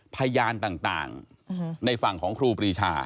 พยานต่างในฝั่งของครูปรีชา